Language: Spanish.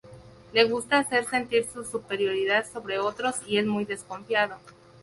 Le gusta hacer sentir su superioridad sobre otros y es muy desconfiado.